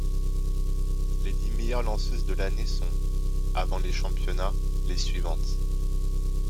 Les dix meilleures lanceuses de l'année sont, avant les championnats, les suivantes.